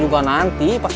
neng kok ada apa sih